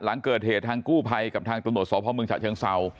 หลังเกิดเหตุทางกู้ภัยกับทางตรวจสอบภาคเมืองชะเชียงเสา